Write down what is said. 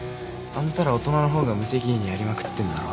あんたら大人の方が無責任にやりまくってんだろ。